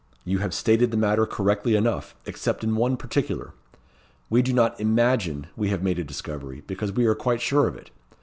"You have stated the matter correctly enough, except in one particular. We do not imagine we have made a discovery; because we are quite sure of it.